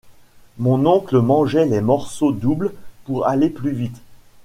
Mon oncle mangeait les morceaux doubles pour aller plus vite.